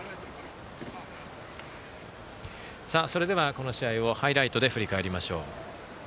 この試合をハイライトで振り返りましょう。